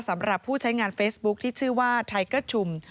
สำหรับผู้ใช้งานเฟซบุ๊คที่ชื่อว่าไทเกอร์ชุม